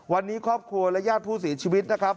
วันนี้ครอบครัวและญาติผู้เสียชีวิตนะครับ